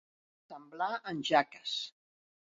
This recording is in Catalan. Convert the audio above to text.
Semblar en Jaques.